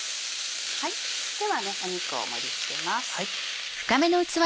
では肉を盛り付けます。